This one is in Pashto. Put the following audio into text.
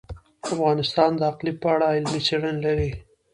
افغانستان د اقلیم په اړه علمي څېړنې لري.